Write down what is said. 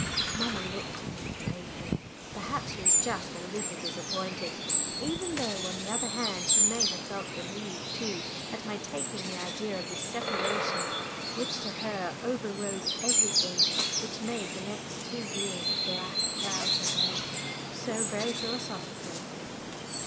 Mamma looked at me gravely. Perhaps she was just a little disappointed, even though on the other hand she may have felt relieved too, at my taking the idea of this separation, which to her over rode everything, which made the next two years a black cloud to her, so very philosophically.